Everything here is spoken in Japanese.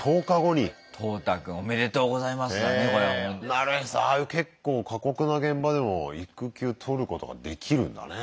なるへそああいう結構過酷な現場でも育休取ることができるんだね。